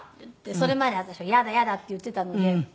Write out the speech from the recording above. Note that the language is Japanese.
それまで私は「嫌だ嫌だ」って言ってたので。